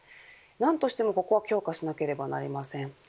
何としてもここは強化しなければなりません。